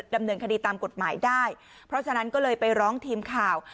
ดำเนินคดีตามกฎหมายได้เพราะฉะนั้นก็เลยไปร้องทีมข่าว